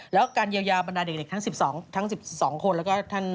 แล้วการเยียวยาวบรรดาเด็กทั้ง๑๒คน